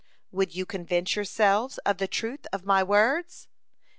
Would you convince yourselves of the truth of my words?"